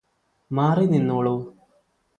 മാറി നിന്നോളൂ